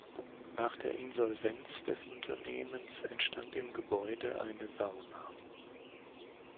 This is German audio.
Nach der Insolvenz des Unternehmens entstand im Gebäude eine Sauna.